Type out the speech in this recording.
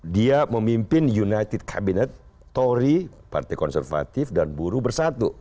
dia memimpin united cabinet tory partai konservatif dan buru bersatu